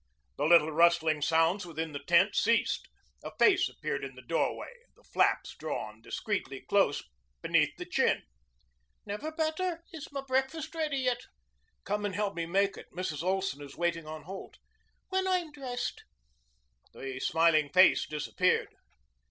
The little rustling sounds within the tent ceased. A face appeared in the doorway, the flaps drawn discreetly close beneath the chin. "Never better. Is my breakfast ready yet?" "Come and help me make it. Mrs. Olson is waiting on Holt." "When I'm dressed." The smiling face disappeared.